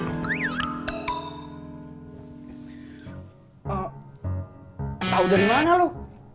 tau dari mana lo